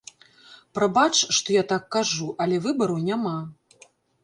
Прабач, што я так кажу, але выбару няма.